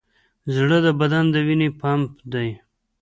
زړه د بدن د وینې پمپ دی.